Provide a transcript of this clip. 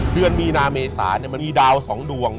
เดือนมีนาเมษามีดาวสองดวง